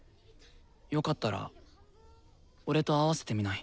よかったら俺と合わせてみない？